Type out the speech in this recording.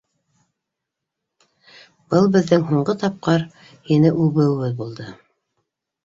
Был беҙҙең һуңғы тапҡыр һине үбеүебеҙ булды.